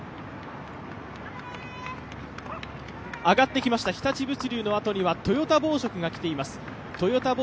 上がってきました、日立物流のあとにはトヨタ紡織が来ています。